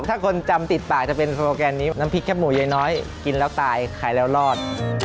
ถ้าคนจำติดปากจะเป็นโปรแกรมนี้น้ำพริกแค่หมูยายน้อยกินแล้วตายขายแล้วรอด